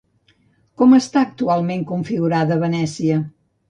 Com està actualment configurada Venècia?